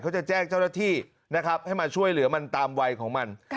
จะแจ้งเจ้าหน้าที่นะครับให้มาช่วยเหลือมันตามวัยของมัน